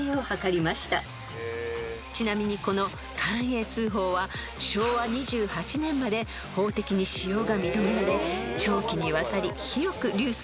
［ちなみにこの寛永通宝は昭和２８年まで法的に使用が認められ長期にわたり広く流通されたのです］